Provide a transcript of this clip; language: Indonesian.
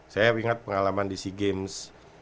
saya ingat pengalaman di sea games